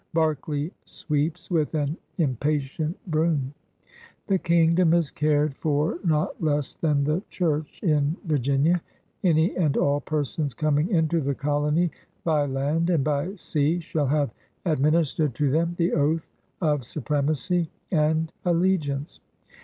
Berkeley sweeps with an impatient broom. The Kingdom is cared for not less than the CHURCH AND KINGDOM 137 Church in Virginia. Any and all persons coming into the colony by land and by sea shall have administered to them the Oath of Supremacy and Alliance.